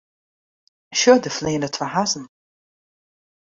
Sjoch, dêr fleane twa hazzen.